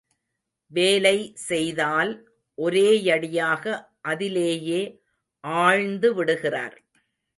வேலை செய்தால், ஒரேயடியாக அதிலேயே ஆழ்ந்துவிடுகிறார்.